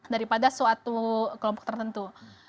dari pada suatu kelompok tertentu